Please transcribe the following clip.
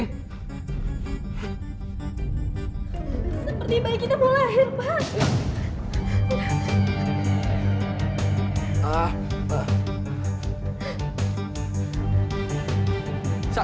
seperti baik kita mau lahir pak